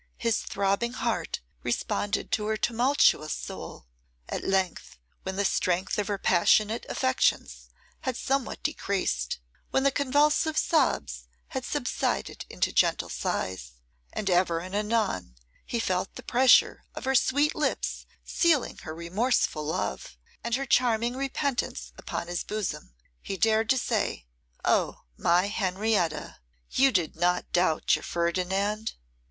His throbbing heart responded to her tumultuous soul. At length, when the strength of her passionate affections had somewhat decreased, when the convulsive sobs had subsided into gentle sighs, and ever and anon he felt the pressure of her sweet lips sealing her remorseful love and her charming repentance upon his bosom, he dared to say, 'Oh! my Henrietta, you did not doubt your Ferdinand?